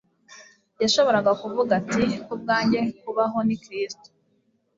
Yashoboraga kuvuga ati: «Ku bwanjye kubaho ni Kristo»